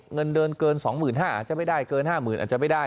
เงินเดินเกิน๒๕๐๐บาทอาจจะไม่ได้เกิน๕๐๐๐อาจจะไม่ได้